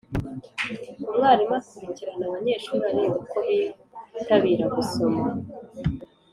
Umwarimu akurikirana abanyeshuri areba uko bitabira gusoma